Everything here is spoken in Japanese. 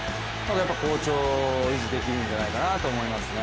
好調を維持できるんじゃないかと思いますね。